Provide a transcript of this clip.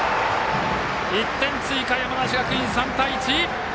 １点追加、山梨学院３対１。